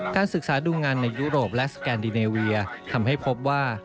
ศึกษาดูงานในยุโรปและสแกนดิเนเวียทำให้พบว่า